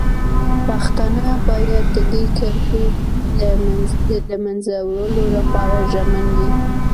پښتانه باید د دې کرښې د له منځه وړلو لپاره ژمن وي.